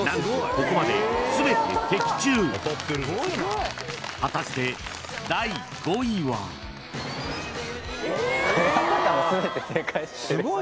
ここまで全て的中果たして第５位はまさかのすごい！